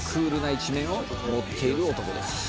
一面を持っている男です」